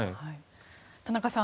田中さん